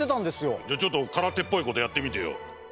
じゃあちょっとからてっぽいことやってみてよ。